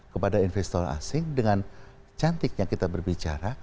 kepada investor asing dengan cantiknya kita berbicara